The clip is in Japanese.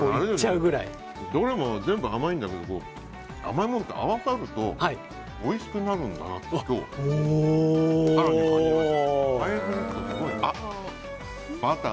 どれも全部甘いんだけど甘いものって合わさるとおいしくなるんだなと今日、更に感じました。